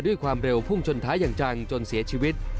ด้วยความเร็วพุ่งชนท้ายอย่างจังจนเสียชีวิต